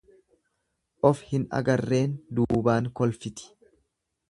Of hin agarreen duubaan kolfiti.